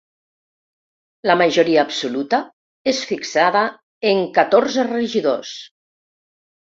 La majoria absoluta és fixada en catorze regidors.